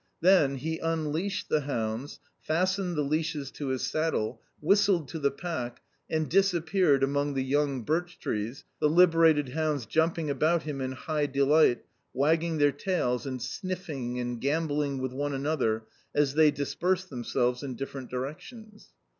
Then he unleashed the hounds, fastened the leashes to his saddle, whistled to the pack, and disappeared among the young birch trees the liberated hounds jumping about him in high delight, wagging their tails, and sniffing and gambolling with one another as they dispersed themselves in different directions.